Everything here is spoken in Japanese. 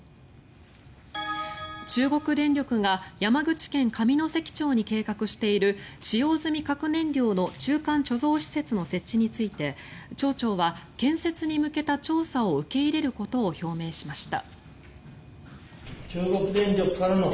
中国電力が山口県上関町に計画している使用済み核燃料の中間貯蔵施設の設置について町長は建設に向けた調査を受け入れることを表明しました。